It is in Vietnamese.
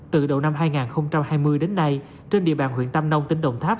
từ đầu năm hai nghìn hai mươi đến nay trên địa bàn huyện tam nông tỉnh đồng tháp